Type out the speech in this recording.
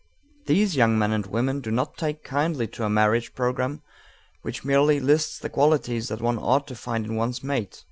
These young men and women do not take kindly to a marriage program which merely lists the qualities that one ought to find in one's mate.